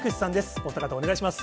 お二方、お願いします。